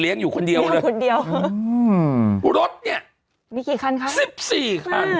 เลี้ยงอยู่คนเดียวคนเดียวอืมรถเนี้ยมีกี่คันค่ะ๑๔คัน